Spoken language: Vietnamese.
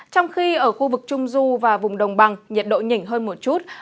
trong khi ở khu vực trung du và vùng đồng bằng nhiệt độ nhỉnh hơn một chút